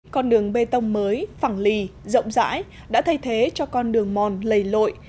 con đường bê tông mới phẳng lì rộng rãi đã thay thế cho con đường mòn lầy lội